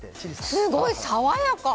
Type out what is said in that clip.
すごい爽やか！